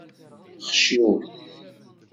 Xciwet.